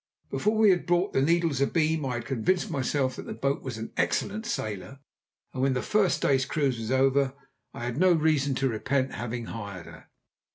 Before we had brought the Needles abeam I had convinced myself that the boat was an excellent sailer, and when the first day's cruise was over I had no reason to repent having hired her.